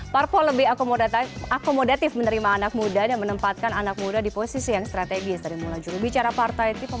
berita terkini dari kpum